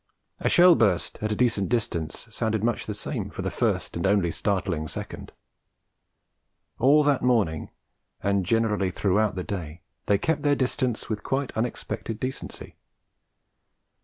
A shell burst at a decent distance sounded much the same for the first and only startling second. And all that morning, and generally throughout the day, they kept their distance with quite unexpected decency.